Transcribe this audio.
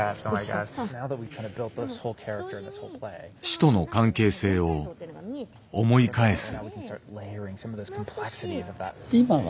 師との関係性を思い返す。